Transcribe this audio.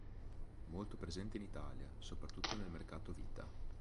Molto presente in Italia, soprattutto nel mercato Vita.